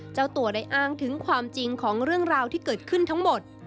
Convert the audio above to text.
เจ้าตัวได้อ้างถึงความจริงของเรื่องราวที่เกิดขึ้นทั้งหมด